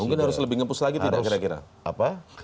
mungkin harus lebih ngepus lagi tidak kira kira